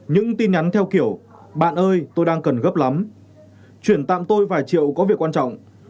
những tin nhắn theo kiểu bạn ơi tôi đang cần gấp lắm chuyển tạm tôi vài triệu có việc quan trọng